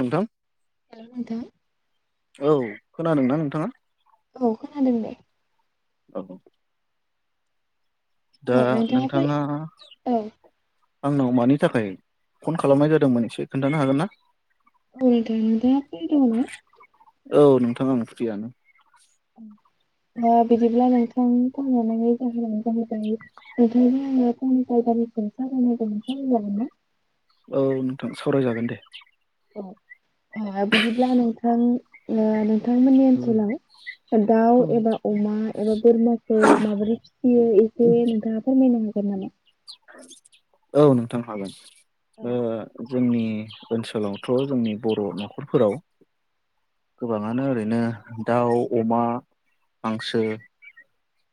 नोंथां। हेलौ नोंथां। औ खोनादोंना नोंथाङा। औ खोनादों दे। औ। दा औ फ्रि नोंथाङा। औ आंनाव मानि थाखाय फन खालामनाय जादोंमोन एसे खोन्थानो हागोनना? [inaudible] औ नोंथां आं फ्रियानो। औ। बिदिब्ला नोंथांनो कल हरनायनि जाहोन जाहैबाय नोंथांजों आङो सारायनाय जागोन सावराय जागोनना। औ नोंथां सावराय जागोन दे। बिदिब्ला नोंथां नोंथांमोननि ओनसोलाव दाउ औ एबा अमा एबा बोरमाखौ माबोरै जि इसे नोंथांआ फोरमायनो हागोन नामा। औ नोंथां औ हागोन जोंनि ओनसोलावथ' जोंनि बर' न'खरफोराव गोबाङानो ओरैनो दाउ, अमा, हांसो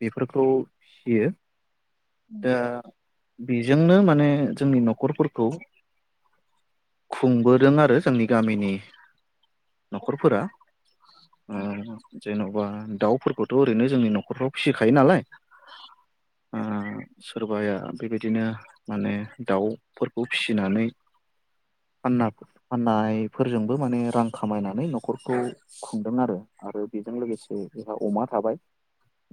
बेफोरखौ फियो। औ दा बेजोंनो माने जोंनि न'खरफोरखौ खुंबोदों आरो जोंनि गामिनि न'खरफोरा। औ ओं जेन बा दाउफोरखौथ' ओरैनो जोंनि न'खरफ्राव फिसिखायो नालाय। सोरबाया बेबायदिनो माने दाउफोरखौ फिसिनानै फानना फाननायफोरजोंबो माने रां खामायनानै न'खरखौ खुंदों आरो। आरो बेजों लोगोसे जोंहा अमा थाबाय।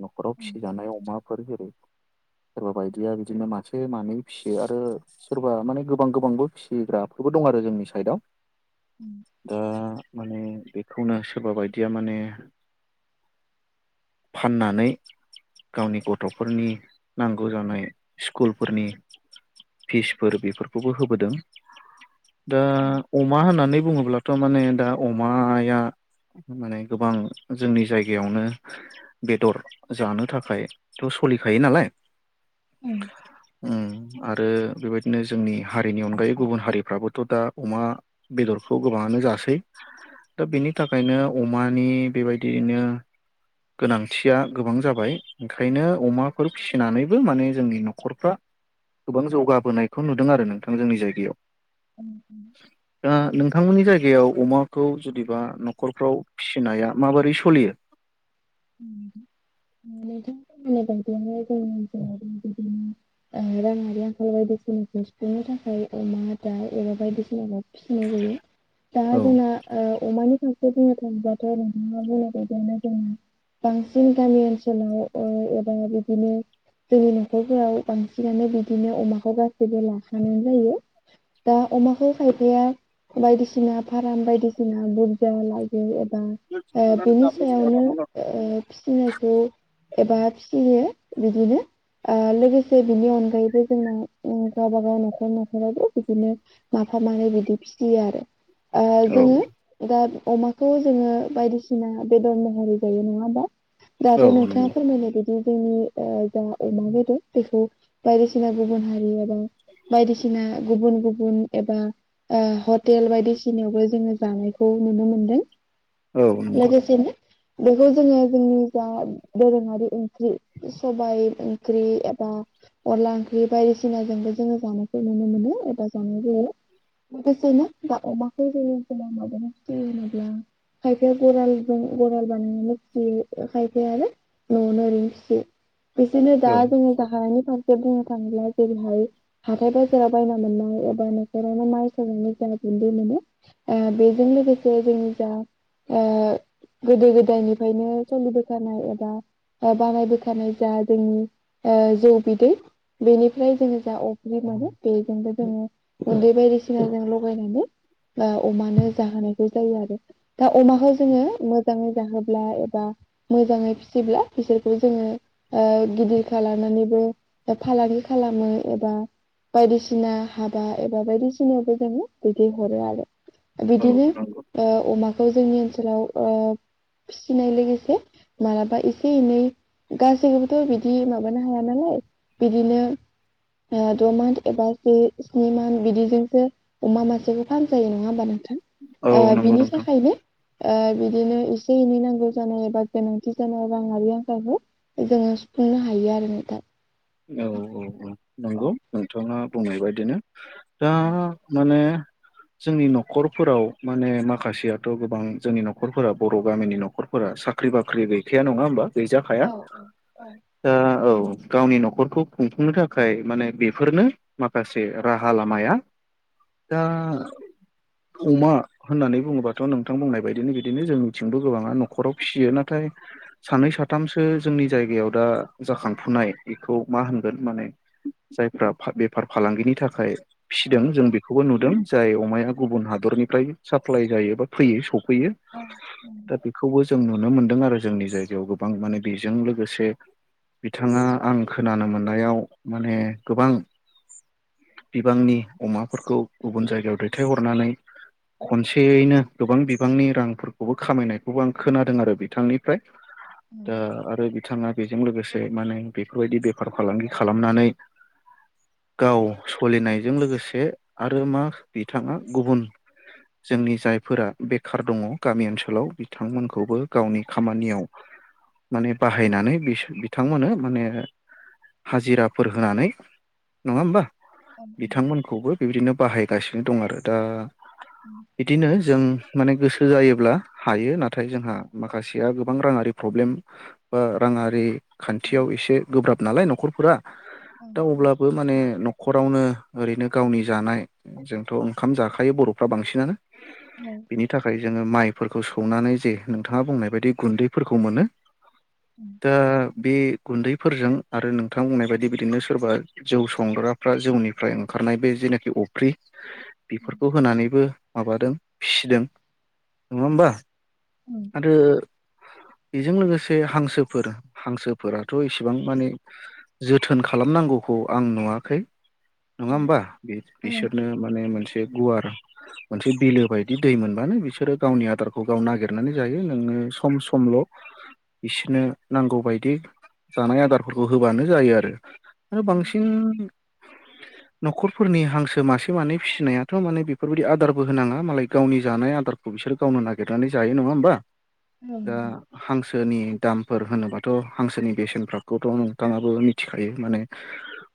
न'खराव फिसि जानाय अमाफोर जेरै। सोरबा बायदिया बिदिनो मासे मानै फिसियो आरो सोरबा माने गोबां गोबांबो फिसिग्राफोरबो दं आरो। जोंनि साइदआव दा। माने बेखौनो सोरबा बायदिया माने। फाननानै गावनि गथ'फोरनि नांगौ जानाय स्कुलफोरनि फिसफोर बेफोरखौबो होबोदों दा औ अमा होननानै बुङोब्ला। थ' माने दा अमाया। माने गोबां जोंनि जायगायावनो बेदर जानो थाखायथ'। सोलिखायो नालाय। उम। उम आरो बेबायदिनो जोंनि हारिनि अनगायै गुबुन हारिफ्राबोथ' दा अमा बेदरखौ गोबां जासै दा बिनि थाखायनो अमानि बेबायदिनो गोनांथिया गोबां जाबाय ओंखायनो अमाफोर फिसि फिसिनानैबो माने जोंनि न'खरफ्रा गोबां जौगाबोनायखौ नुदों आरो नोंथां जोंनि जायगायाव। औ दा नोंथांमोननि जायगायाव जायगायाव अमाखौ जुदिबा न'खरफ्राव फिसिनाया माबोरै सलियो? [inaudible] राङारि आंखाल बायदिसिनाखौ सुफुंनो थाखाय अमा, दाउ एबा बायदिसिनाखौ फिसिनाय जायो। दा औ जोंना अमानि फारसे बुंनो थाङोबाथ' नोंथांआ बुंनाय बायदियानो जों बांसिन गामि ओनसोलाव एबा बिदिनो जोंनि न'खरफोराव बांसिनानो बिदिनो अमाखौ गासैबो लाखानाय जायो दा अमाखौ खायफाया बायदिसिना फार्म बायदिसिना बुरजा लायो उम ओ बेनि सायावनो ओ फिसिनायखौ एबा फिसियो बिदिनो आ लोगोसे बिनि अनगायैबो जोंना ओ गावबा - गाव न'खर न'खरावबो बिदिनो माबा [unintelligible] ओ जोङो दा अमाखौ जोङो बायदिसिना बेदर महरै जायो नङा होमबा [unintelligible] औ नंगौ जोंनि ओ जा अमा बेदर बेखौ बायदिसिना गुबुन हारि एबा बायदिसिना गुबुन -गुबुन एबा ओ हटेल बायदिसिनायावबो जोङो जानायखौ नुनो मोनदों औ नंगौ लोगोसे नो बेखौ जोङो जोंनि जा दोरोङारि ओंख्रि सबाय ओंख्रि एबा अनला ओंख्रि बायदिसिनाजोंबो जोङो जानायखौ नुनो मोनो एबा जानाय [unintelligible] खायफाया बरालजों बराल [unintelligible] बिदिनो दा औ जोङो जाहानि बुंनो थाङोब्ला जेरैहाय हाथाय - बाजाराव बायना मोननाय एबा नसोरावनो माइ सनायनि जा गुन्दुै मोनो ओ बेजों लोगोसे जोंनि जा आ गोदो गोदायनिफ्रायनो सलिबोखानाय एबा बानायबोखानाय जा जोंनि ओ जौ बिदै बेनिफ्राय जोङो जा अफ्रि मोनो बेजोंबो जोङो उन्दै बायदिसिना लगायनानै अमानो जाहोनाय जायो आरो दा अमाखौ जोङो जोब्ला एबा मोजै फिसिब्ला बिसोरखौ जोङो ओ गिदिर खालाम बिनिबो फालांगि खालामो एबा बायदिसिना हाबा एबा बायदिसिनायावबो जोङो दैथाय हरो आरो औ बिदिनो नंगौ ओ अमाखौ जोंनि ओनसोलाव ओ सिनाय लोगोसे मालाबा एसे - एनै गासैखौबोथ' बिदि माबानो हाया नालाय बिदिनो द' मान्थ एबा जि स्नि मान्थ बिदिजोंसो अमा मासेबो फाहाम जायो नङा होमबा नोंथां औ ओ नंगौ बिनि नोंथां थाखायनो ओ बिदिनो एसे एनै नांगौ जानाय एबा गोनांथि जानाय राङारि आंखालखौ जोङो सुफुंनो हायो आरो नोंथां औ- औ औ नंगौ नोंथाङा बुंनाय बायदिनो दा औ माने [inaudible] जोंनि न'खरफोराव माने माखासेयाथ' गोबां जोंनि न'खरफोरा बर' गामिनि न'खरफोरा साखा साख्रि बाख्रि गैखाया नङा होमबा गैजाखाया औ औ दा औ गावनि न'खर न'खरखौ खुंफुंनो थाखाय माने बेफोरनो माखासे राहा लामाया दा अमा होननानै बुङोबाथ' नोंथां बुंनाय बायदिनो बिदिनो जोंनिथिंबो गोबाङा न'खराव फिसियो नाथाय सानै साथामसो जोंनि जायगायाव दा जाखांफुनाय खौ मा होनगोन माने जायफ्रा बेफार फालांगिनि थाखाय औ फिसिदों जों बेखौबो नुदों जाय अमाया गुबुन हादरनिफ्राय साप्लााय जायो बा फैयो स फैयो औ औ दा बेखौबो जों नुनो मोनदों आरो जोंनि जायगायाव गोबां माने बेजों लोगोसे बिथाङा आं खोनानो मोननायाव माने गोबां बिबांनि अमाफोरखौ गुबुन जायगायाव दैथायहरनानै खनसेयैनो गोबां बिबांनि रांफोरखौबो खामायनायखौबो आं खोनादों आरो बिथांनिफ्राय दा आरो बिथाङा बेजों लोगोसे माने बेफोरबायदि बेफार फालांगि खालामनानै गाव सोलिनायजों लोगोसे आरो मा बिथाङा गुबुन। जोंनि जायफोरा बेखार दङ गामि ओनसोलाव बिथांमोनखौबो गावनि खामानियाव। माने बाहायनानै बिथांमोननो माने। हाजिराफोर होनानै नङा होमबा। बिथांमोनखौबो बेबायदिनो बाहायगासिनो दं आरो दा। बिदिनो जों माने गोसो। जायोब्ला हायो नाथाय जोंहा माखासेया गोबां राङारि प्रब्लेम बा राङारि। खान्थियाव एसे गोब्राब नालाय न'खरफोरा दा अब्लाबो माने न'खरावनो। ओरैनो गावनि जानाय जोंथ' ओंखाम जाखायो बर'फ्रा बांसिनानो। बिनि थाखाय जोङो माइ। फोरखौ सौनानै जे नोंथाङा बुंनाय बायदि गुन्दैफोरखौ मोनो दा। बे गुन्दै। फोरजों आरो नोंथां बुंनाय बायदि बिदिनो सोरबा जौ संग्राफ्रा जौनिफ्राय ओंखारनाय बे जेनाखि। अफ्रि। बेफोरखौ होनानैबो माबादों फिसिदों नङा होमबा। आरो बेजों लोगोसे हांसोफोर हांसोफोराथ' एसे। इसेबां माने जोथोन खालामनांगौखौ आं नुवाखै। नङा होमबा बिसोरनो माने मोनसे गुवार। मोनसे बिलो बायदि दै मोनबानो बिसोरो गावनि आदारखौ गाव नागिरनानै जायो नोङो सम समल'। बिसोरनो नांगौबायायदि। जानाय आदारफोरखौ होबानो जायो आरो आरो बांसिन। औ। न'खरफोरनि हांसो मासे मानै फिसिनायाथ माने बेफोरबायदि आदारबो होनाङा मालाय गावनि जानाय आदारखौ। बिसोर गावनो नागिरनानै जायो नङा होमबा। दा हांसोनि दामफोर होनोबाथ हांसोनि। बेसेनफोराखौ नोंथांआबो मिथिखायो माने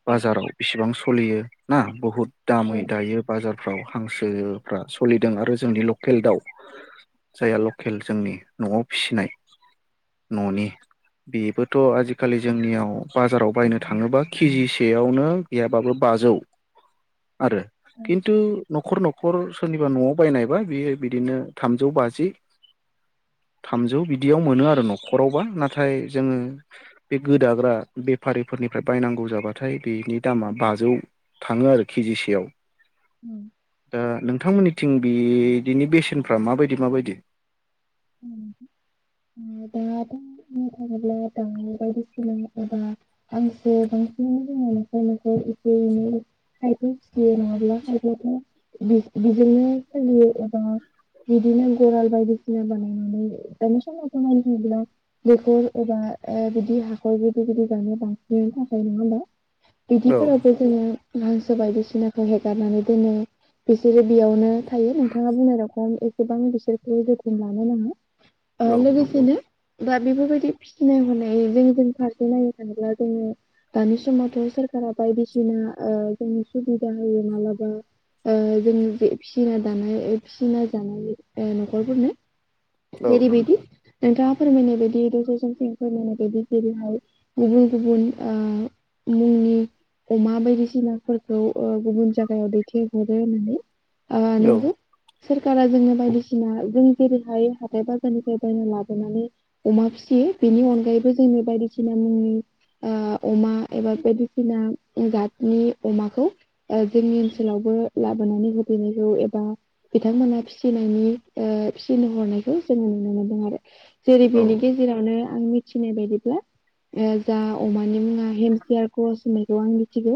बाजारव बेसेबां सलियो। सोलियो ना बुहुद औ दामै दायो बाजारफ्राव। हांसोफ्रा सोलिदों आरो जोंनि लकेल दाउ। जायहा लकेल जोंनि न'आव फिसिनाय न'नि बेबो। थ' आजिखालि जोंनियाव बाजाराव बायनो थाङोबा केजिसेयावनो गैयाबाबो बाजौ। आरो। खिन्थु न'खर न'खर सोरनिबा न'आव बायनायबा बियो बिदिनो थामजौ बाजि। ए। थामजौ बिदियाव मोनो आरो न'खरावबा नाथाय जोङो। बे गोदाग्रा बेफारिफोरनिफ्राय बायनांगौ जाबाथाय बेनि दामा बाजौ। थाङो आरो केजिसेयाव दा नोंथांमोननि। थिं बिदिनि बेसेनफ्रा माबायदि माबायदि। औ। द बुंनो थाङोब्ला दां बायदिसिना एबा आांसो बांसिन। बिदिनो जोङो नखाय नखर एसे एनै खायफ फिसियो नङाब्ला हायफब्लाथ'। बिजोंनो सोलियो एबा बिदिनो गराल बायदिसिना बानाय। दानि समआव जों नायनो थांब्ला दैखर एबा ओ बिदि हाखर बिदि हाखर गिदिर गिदिर। [unintelligible] थाखाय नङा होमबा औ बिदिफोरावसो जोङो हांसो बायदिसिनाखौ हेगारनानै दोनो बिसोरो बेयावनो। थायो नोंथाङा बुंनाय रखम एसेबां बिसोरखो जोथोन लानो नाङा। औ ओ नंगौ लोगोसेनो। दा बेफोरबायदि फिसिनाय हनाय जों जों फारसे नायनो थाङोब्ला जोङो। दानि समावथ सोरखारा बायदिसिना ओ जोंनो सुबिदा होयो मालाबा। ओ जों फिना दानाय फिसिना जानाय ओ नखरफोरनो। औ जेरै बिदि। नोंथाङा फोरमायनाय बायदि रजजन थिं फोरमायनाय बायदि जेरैहाय गुबुन गुबुन ओ मुंनि अमा बायदिसिनाफोरखौ ओ गुबुन जायगायाव दैथायहरो होननानै ओ नंगौ सरखारा जोंनो बायदिसिना जों जेरै हाय हाथाय बाजारनिफ्राय बायना लाबोनानै अमा फिसियो बेनि अनगायैबो जोंङो बायदिसिना उम ओ अमा एबा बायदिसिना जातनि अमाखौ ओ जोंनि ओनसोलावबो ओ लाबोनानै होफैनायखौ एबा बिथांमोना फिसिनायनि ओ फिसिनो हरनायखौ जोङो नुनो मोनदों आरो जेरै औ बेनि गेजेरावनो आं मि थिनाय बायदिब्ला ओ जा अमा बेनि मुंया हेम सियार खस होननायखौ आं मिथिगौ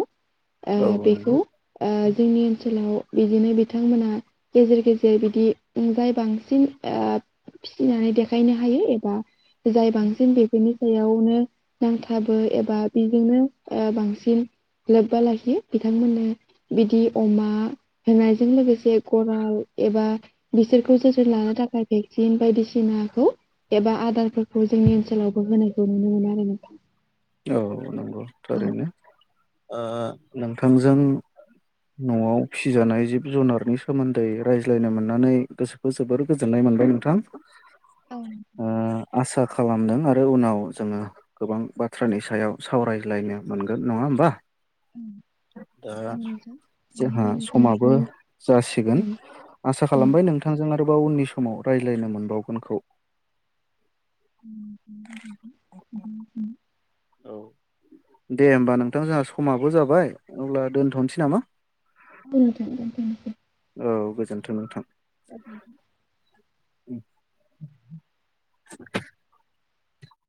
औ ओ नंगौ बैखौ ओ जोंनि ओनसोलाव बिदिनो बिथांमोना गेजेर गेजेर बिदि जाय बां सिन ओ फिसिनानै देखायनो हायो एबा जाय बांसिन बेफोरनि सायावनो नांथाबो एबा बेजोंनो ओ बांसिन लोब्बा लाखियो बिथांमोननो बिदि अमा होनायजों लोगोसे करराल एबा बिसोरखौ जोथोन लानो थाखाय भेक्सिन बायदिसिनाखौ एबा आदारफोरखौ जोंनि ओनसोलावबो होनायखौ नुनो मोनो आरो नोंथां औ नंगौ औ थारैनो ओ नोंथांजों नआव फिजानाय जिब जुनारनि सोमोन्दै रायज्लायनो मोननानै गोसोखौ जोबोर गोजोननाय मोनबाय नोंथां औ ओ आसा खालामदों आरो उनाव जोङो गोबां बाथ थ्रानि सायाव सावरायलायनो मोनगोन नङा होमबा? उम दा जोंहा समाबो नोंथांनिफ्राय जासिगोन उम आसा उम खालामबाय नोंथां जों आ आरोबाव उननि समाव रायज्लायनो मोनबावगोनखौ औ दे होमबा नोंथां जोंहा समाबो जाबाय अब्ला दोनथनोसै नामा? औ नोंथां औ गोजोनथों नोंथां गोजोन्थों उम [inaudible] [inaudible]